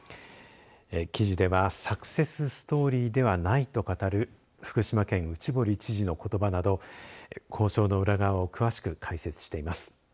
記事ではサクセスストーリーではないと語る福島県、内堀知事のことばなど交渉の裏側を詳しく解説しています。